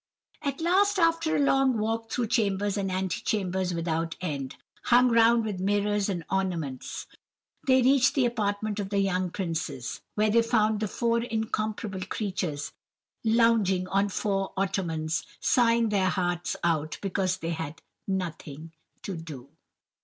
"At last, after a long walk through chambers and anti chambers without end, hung round with mirrors and ornaments, they reached the apartment of the young princes, where they found the four incomparable creatures lounging on four ottomans, sighing their hearts out, because they had 'nothing to do.